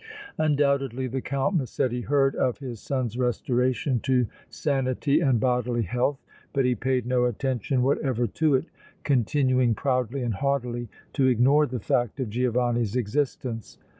Undoubtedly the Count Massetti heard of his son's restoration to sanity and bodily health, but he paid no attention whatever to it, continuing proudly and haughtily to ignore the fact of Giovanni's existence.